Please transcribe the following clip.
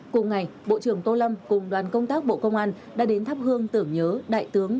cùng ngày bộ trưởng tô lâm cùng đoàn công tác bộ công an đã đến thắp hương tưởng nhớ đại tướng